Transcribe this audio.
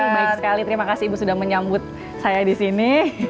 baik sekali terima kasih ibu sudah menyambut saya di sini